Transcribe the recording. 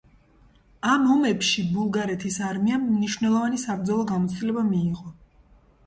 ამ ომებში ბულგარეთის არმიამ მნიშვნელოვანი საბრძოლო გამოცდილება მიიღო.